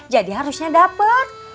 jadi harusnya dapet